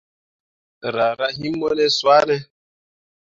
Raa rah him mo ne swane ?